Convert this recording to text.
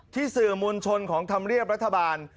สื่อมวลชนของธรรมเนียบรัฐบาล